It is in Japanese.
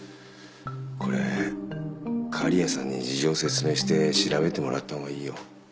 これ狩矢さんに事情説明して調べてもらった方がいいよ。